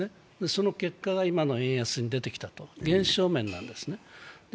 その結果が今の円安に出てきたと現象面なんですね。